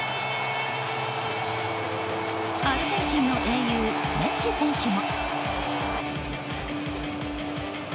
アルゼンチンの英雄メッシ選手も。